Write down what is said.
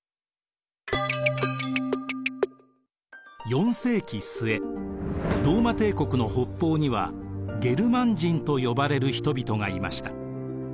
４世紀末ローマ帝国の北方にはゲルマン人と呼ばれる人々がいました。